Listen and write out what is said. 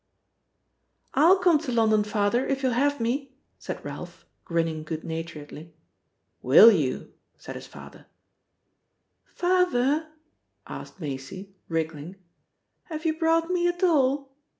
"I'll come to London, Father, if you'll have me," said Ralph, grinning good naturedly. "Will you!" said his father. "Fahver," asked Maisie, wriggling, "have you brought me a doll?"